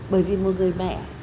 bởi vì một người mẹ